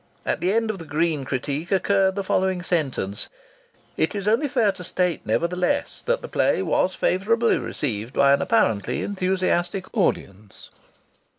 At the end of the green critique occurred the following sentence: "It is only fair to state, nevertheless, that the play was favourably received by an apparently enthusiastic audience."